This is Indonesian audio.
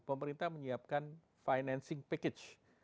jadi kita menyiapkan financing package